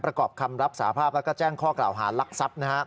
ประกอบคำรับสาภาพแล้วก็แจ้งข้อกล่าวหารักทรัพย์